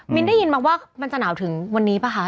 ได้ยินมาว่ามันจะหนาวถึงวันนี้ป่ะคะ